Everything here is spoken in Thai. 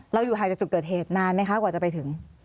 เราอยู่ทางจุดเกอร์เทศนานไหมคะกว่าจะไปถึง